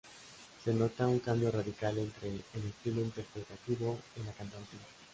Se nota un cambio radical entre el estilo interpretativo de la cantante.